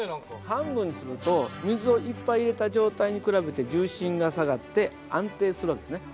半分にすると水をいっぱい入れた状態に比べて重心が下がって安定する訳ですね。